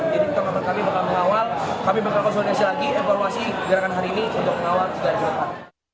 jadi pengamatan kami akan mengawal kami akan konsultasi lagi evaluasi gerakan hari ini untuk mengawal dari ke depan